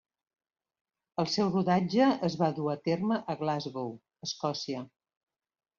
El seu rodatge es va dur a terme a Glasgow, Escòcia.